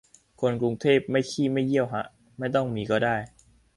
คนกรุงเทพไม่ขี้ไม่เยี่ยวฮะ ไม่ต้องมีก็ได้